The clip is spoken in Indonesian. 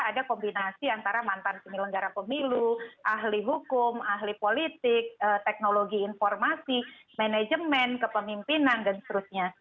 ada kombinasi antara mantan penyelenggara pemilu ahli hukum ahli politik teknologi informasi manajemen kepemimpinan dan seterusnya